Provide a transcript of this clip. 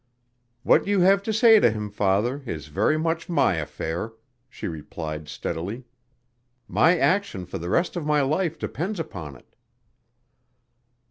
"What you have to say to him, Father, is very much my affair," she replied steadily. "My action for the rest of my life depends upon it."